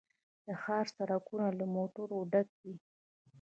د ښار سړکونه له موټرو ډک وي